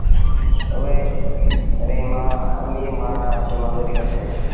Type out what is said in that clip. اُئي ريٚ مآ اميٚر مآڻهآݩ وٽ مزوريٚ ڪرتي